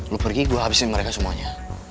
lu pergi gue habisin mereka semuanya